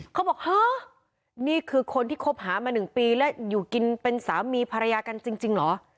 เขาบอกเฮ้อนี่คือคนที่คบหามา๑ปีแล้วอยู่กินเป็นสามีภรรยากันจริงเหรอ